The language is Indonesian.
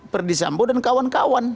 ferdisambo dan kawan kawan